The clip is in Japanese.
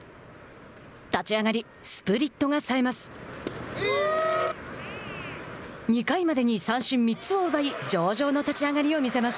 立ち上がり、スプリットがさえます。